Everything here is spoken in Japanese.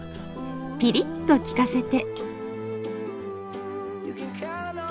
ピリッと利かせて。